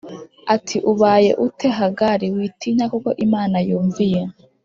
ati Ubaye ute Hagari Witinya kuko Imana yumviye